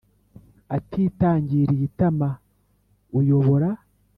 Atitangiriye itama uyobora